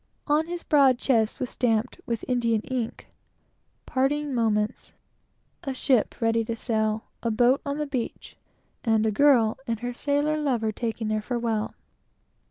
On his broad chest he had stamped with India ink "Parting moments;" a ship ready to sail; a boat on the beach; and a girl and her sailor lover taking their farewell.